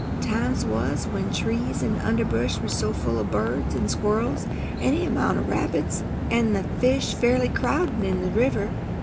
Time was when trees an' underbrush were full o' birds an' squirrels, any amount o' rabbits, an' the fish fairly crowdin' in the river.